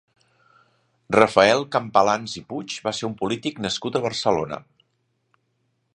Rafael Campalans i Puig va ser un polític nascut a Barcelona.